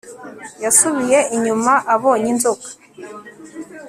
Yasubiye inyuma abonye inzoka